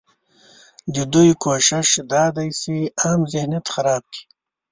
ددوی کوشش دا دی چې عام ذهنیت خراب کړي